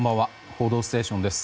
「報道ステーション」です。